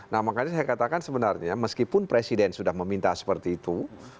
nah makanya saya katakan sebenarnya meskipun presiden sudah meminta seperti itu